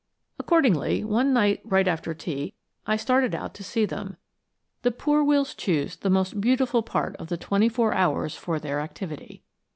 Accordingly, one night right after tea I started out to see them. The poor wills choose the most beautiful part of the twenty four hours for their activity.